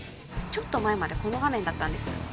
ちょっと前までこの画面だったんです